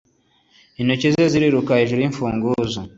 Intoki ze ziriruka byihuse hejuru yimfunguzo